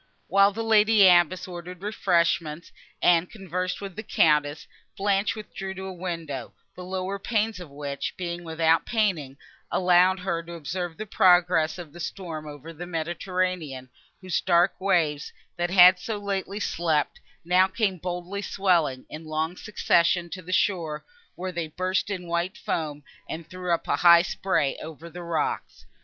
While the lady abbess ordered refreshment, and conversed with the Countess, Blanche withdrew to a window, the lower panes of which, being without painting, allowed her to observe the progress of the storm over the Mediterranean, whose dark waves, that had so lately slept, now came boldly swelling, in long succession, to the shore, where they burst in white foam, and threw up a high spray over the rocks.